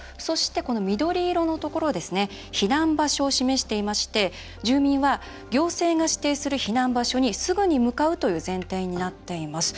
緑色のところ避難場所を示していまして住民は行政が指定する避難場所にすぐに向かうという前提になっています。